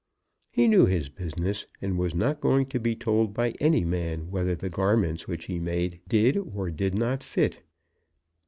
He knew his business, and was not going to be told by any man whether the garments which he made did or did not fit.